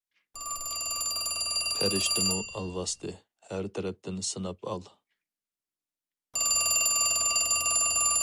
پەرىشتىمۇ ئالۋاستى، ھەر تەرەپتىن سىناپ ئال.